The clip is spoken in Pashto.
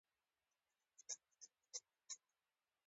نورې ټگۍ برگۍ یې ناکامې شوې